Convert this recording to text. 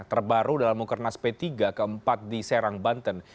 terbaru dalam mukernas p tiga keempat di serang banten